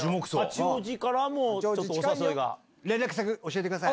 八王子からもちょっとお誘い連絡先、教えてください。